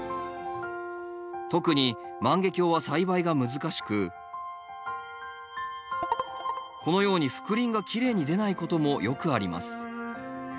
特に万華鏡は栽培が難しくこのように覆輪がきれいに出ないこともよくあります。